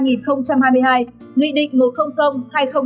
nghị định một trăm linh hai nghìn hai mươi năm